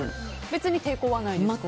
別に抵抗はないですか？